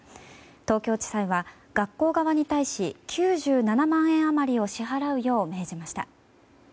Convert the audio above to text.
東京地裁は、学校側に対し９７万円余りを支払うよう命じました。